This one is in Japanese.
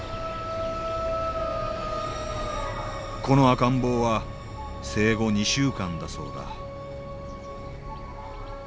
この赤ん坊は生後２週間だそうだ